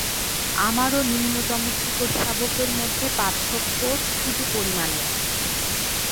আমার ও নিম্নতম শূকরশাবকের মধ্যে পার্থক্য শুধু পরিমাণের।